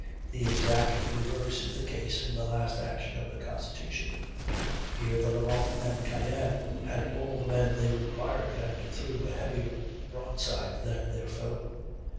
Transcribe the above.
The exact reverse is the case in the last action of the Constitution. Here, the Levant and Cyane had all the men they required, and threw a heavier broadside than their foe.